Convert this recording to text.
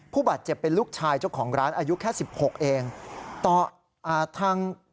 ผู้บาดเจ็บเป็นลูกชายเจ้าของร้านอายุแค่๑๖เอง